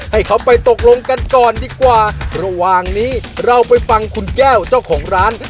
ให้เขาไปตกลงกันก่อนดีกว่าระหว่างนี้เราไปฟังคุณแก้วเจ้าของร้าน